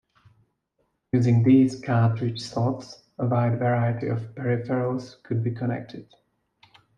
Using these cartridge slots, a wide variety of peripherals could be connected.